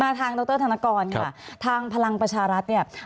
ทางดรธนกรค่ะทางพลังประชารัฐเนี่ย